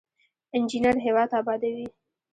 انجینر هیواد ابادوي